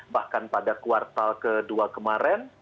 bahkan pada kuartal ke dua kemarin